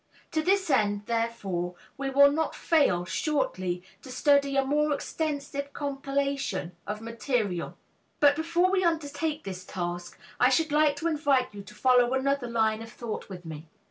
To this end therefore we will not fail, shortly, to study a more extensive compilation of material. But before we undertake this task, I should like to invite you to follow another line of thought with me.